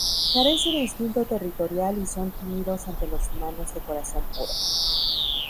Carece de instinto territorial y son tímidos ante los humanos de corazón puro.